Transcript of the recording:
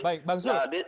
baik bang zul